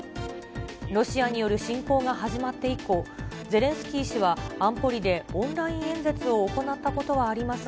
ロシアによる侵攻が始まって以降、ゼレンスキー氏は安保理でオンライン演説を行ったことはあります